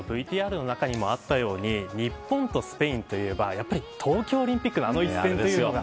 ＶＴＲの中にもあったように日本とスペインといえば東京オリンピックのあの一戦ですよ。